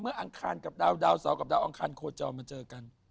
ฟรานาธิบดาวดาวสองกับดาวอังคารโคจรมาเจอกัน